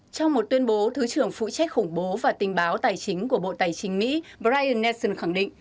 trong một tuyên bố thứ trưởng phụ trách khủng bố và tình báo tài chính của bộ tài chính mỹ brian nesson khẳng định